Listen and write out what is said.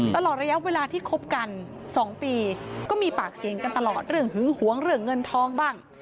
ตลอดระยะเวลาที่คบกัน๒ปีก็มีปากเสียงกันตลอดเรื่องหึงหวงเรื่องเงินทองบ้าง